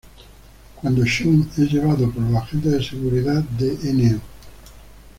Cuando Shion es llevado por los agentes de seguridad de No.